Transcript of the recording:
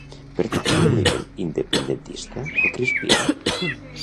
Pertany al moviment independentista el Crispin?